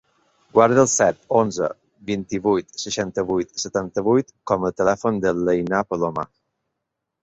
Guarda el set, onze, vint-i-vuit, seixanta-vuit, setanta-vuit com a telèfon de l'Einar Palomar.